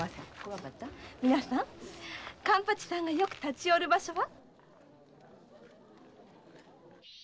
みなさん勘八さんがよく立ち寄る場所は？